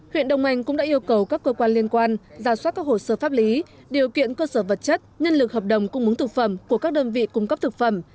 huyện đồng anh cũng đã yêu cầu các cơ quan liên quan ra soát các hồ sơ pháp lý điều kiện cơ sở vật chất nhân lực hợp đồng cung mứng thực phẩm của các đơn vị cung cấp thực phẩm